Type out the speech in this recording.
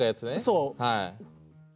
そう！